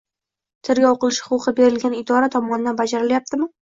tergov qilish huquqi berilgan idora tomonidan bajarilyaptimi?